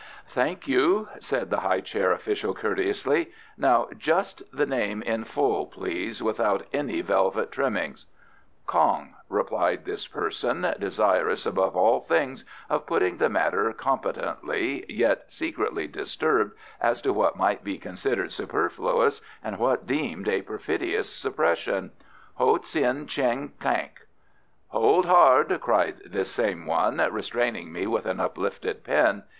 "Thank you," said the high chair official courteously. "Now, just the name in full, please, without any velvet trimmings." "Kong," began this person, desirous above all things of putting the matter competently, yet secretly perturbed as to what might be considered superfluous and what deemed a perfidious suppression, "Ho Tsin Cheng Quank " "Hold hard," cried this same one, restraining me with an uplifted pen.